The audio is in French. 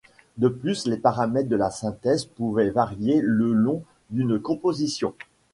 De plus les paramètres de la synthèse pouvaient varier le long d'une composition.